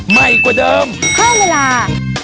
ใหม่กว่าเดิมเพิ่มเวลา